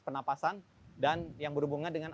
penapasan dan yang berhubungan dengan